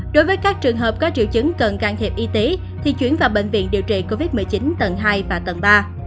đối với các trường hợp có triệu chứng cần can thiệp y tế thì chuyển vào bệnh viện điều trị covid một mươi chín tầng hai và tầng ba